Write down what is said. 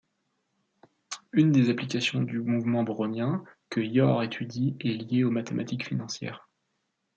Une des applications du mouvement brownien que Yor étudie est liée aux mathématiques financières.